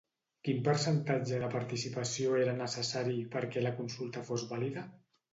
Quin percentatge de participació era necessari perquè la consulta fos vàlida?